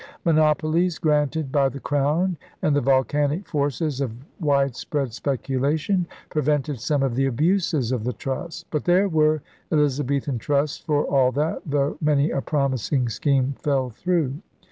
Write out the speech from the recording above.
Monopolies granted by the Crown and the volcanic forces of widespread speculation prevented some of the abuses of the trust. But there were Elizabethan trusts, for all that, though many a promising scheme fell through.